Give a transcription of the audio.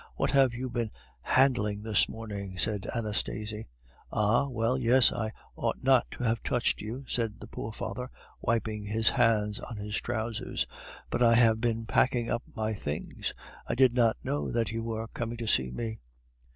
What have you been handling this morning?" said Anastasie. "Ah! well, yes, I ought not to have touched you," said the poor father, wiping his hands on his trousers, "but I have been packing up my things; I did not know that you were coming to see me."